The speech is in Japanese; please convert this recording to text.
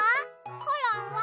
コロンは。